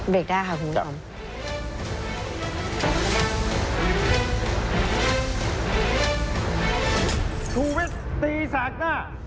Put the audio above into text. เบรกได้ค่ะคุณพุทธออม